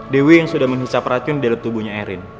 dewi yang sudah menghisap racun di dalam tubuhnya erin